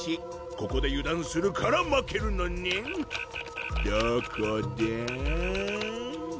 ここで油断するから負けるのねんどこだ？